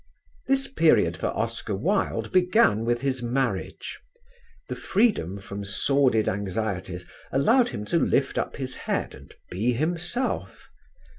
This period for Oscar Wilde began with his marriage; the freedom from sordid anxieties allowed him to lift up his head and be himself.